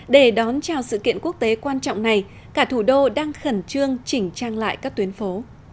để đón chào sự kiện quốc tế quan trọng này cả thủ đô đang khẩn trương chỉnh trang lại các tuyến phố